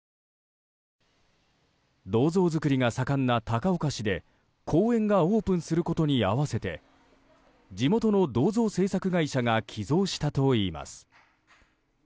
銅像づりが盛んな高岡市で公園がオープンすることに合わせて地元の銅像製作会社が寄贈したといいます。